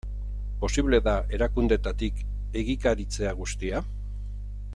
Posible da erakundeetatik egikaritzea guztia?